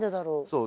そう。